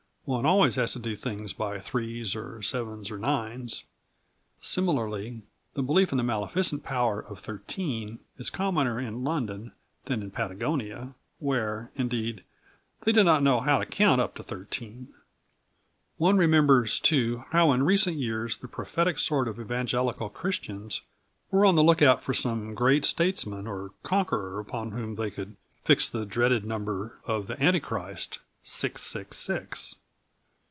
One always has to do things by threes or sevens or nines. Similarly, the belief in the maleficent power of thirteen is commoner in London than in Patagonia, where, indeed, they do not know how to count up to thirteen. One remembers, too, how in recent years the prophetic sort of evangelical Christians were on the look out for some great statesman or conqueror upon whom they could fix the dreaded number of the Antichrist, 666.